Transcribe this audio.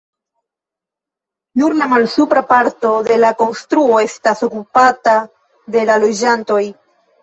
Nur la malsupra parto de la konstruo estas okupata de la loĝantoj.